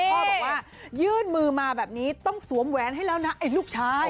พ่อบอกว่ายื่นมือมาแบบนี้ต้องสวมแหวนให้แล้วนะไอ้ลูกชาย